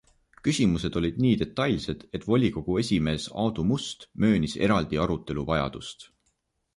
Küsimused olid nii detailsed, et volikogu esimees Aadu Must möönis eraldi arutelu vajadust.